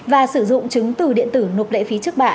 và sử dụng chứng từ điện tử nộp lệ phí trước bạ